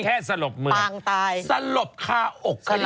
แค่สลบมึงสลบขาอก